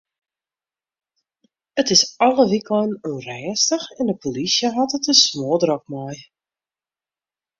It is alle wykeinen ûnrêstich en de polysje hat it der smoardrok mei.